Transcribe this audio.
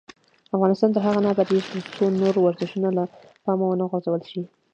افغانستان تر هغو نه ابادیږي، ترڅو نور ورزشونه له پامه ونه غورځول شي.